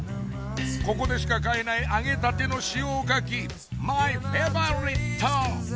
ここでしか買えない揚げたての塩おかきマイフェイバリット！